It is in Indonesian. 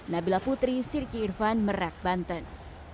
nabila putri sirki irfan merak banten